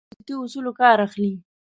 راکټ له فزیکي اصولو کار اخلي